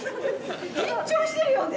緊張してるよね？